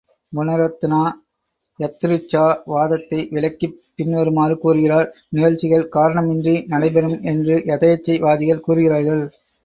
குணரத்னா, யத்ரிச்சா வாதத்தை விளக்கிப் பின்வருமாறு கூறுகிறார் நிகழ்ச்சிகள் காரணமின்றி நடைபெறும் என்று யதேச்சை வாதிகள் கூறுகிறார்கள்.